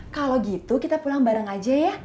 kalau gitu kita pulang bareng aja ya